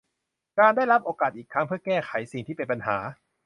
การได้รับโอกาสอีกครั้งเพื่อแก้ไขสิ่งที่เป็นปัญหา